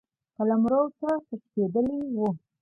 قلمرو ته تښتېدلی وو.